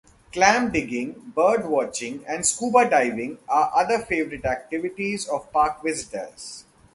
Clam digging, bird watching and scuba diving are other favorite activities of park visitors.